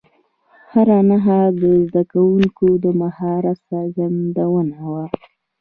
هره نښه د زده کوونکو د مهارت څرګندونه وه.